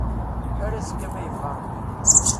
Ar azekka ma yebɣa Rebbi.